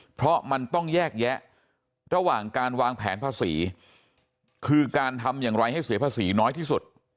เพราะมันต้องแยกแยะระหว่างการวางแผนภาษีคือการทำอย่างไรให้เสียภาษีน้อยที่สุด